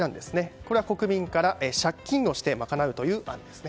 これは国民から借金して賄うという案ですね。